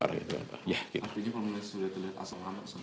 artinya kalau mulai sudah terlihat asap hamat